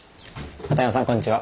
片山さんこんにちは。